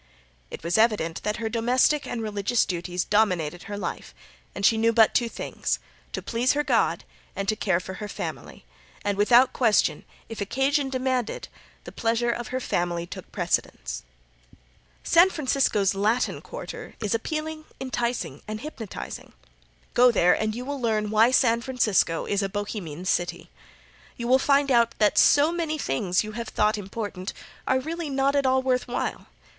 It was evident that her domestic and religious duties dominated her life, and she knew but two things to please her God and to care for her family, and without question if occasion demanded the pleasure of her family took precedence. San Francisco's Latin quarter is appealing, enticing and hypnotizing. Go there and you will learn why San Francisco is a bohemian city. You will find out that so many things you have thought important are really not at all worth while.